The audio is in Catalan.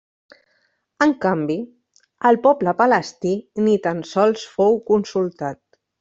En canvi, el poble palestí ni tan sols fou consultat.